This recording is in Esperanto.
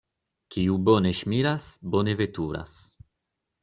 Kiu bone ŝmiras, bone veturas.